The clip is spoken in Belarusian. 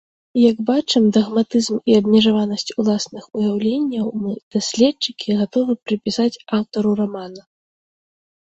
Як бачым, дагматызм і абмежаванасць уласных уяўленняў мы, даследчыкі, гатовы прыпісаць аўтару рамана.